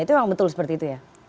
itu memang betul seperti itu ya